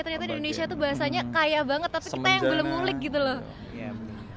ternyata di indonesia tuh bahasanya kaya banget tapi kita yang belum ngulik gitu loh